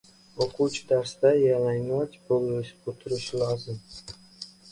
— O‘quvchi darsda yalangbosh o‘tirishi lozim!